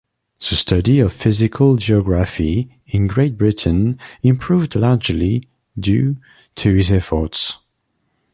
The study of physical geography in Great Britain improved largely due to his efforts.